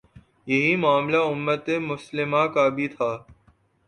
یہی معاملہ امت مسلمہ کا بھی تھا۔